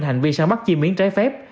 hành vi sáng bắt chim yến trái phép